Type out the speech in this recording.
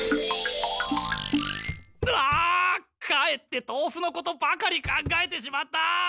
かえってとうふのことばかり考えてしまった！